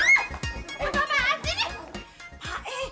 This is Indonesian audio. pak pak pak sini